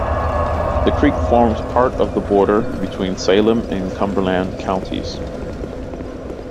The creek forms part of the border between Salem and Cumberland Counties.